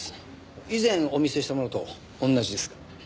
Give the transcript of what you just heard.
以前お見せしたものと同じですが。